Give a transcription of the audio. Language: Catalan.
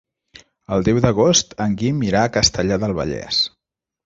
El deu d'agost en Guim irà a Castellar del Vallès.